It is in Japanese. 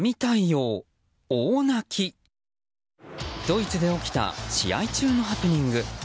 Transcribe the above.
ドイツで起きた試合中のハプニング。